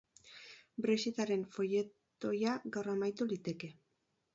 Brexit-aren folletoia gaur amaitu liteke.